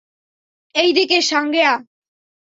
এইদিকে, সাঙ্গেয়া।